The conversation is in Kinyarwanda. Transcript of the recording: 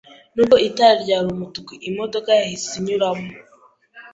Nubwo itara ryari umutuku, iyo modoka yahise inyuramo.